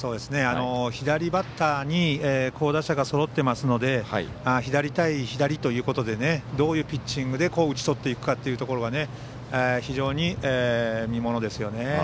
左バッターに好打者がそろっていますので左対左というところでどういうピッチングで打ち取っていくかというのが非常に見ものですよね。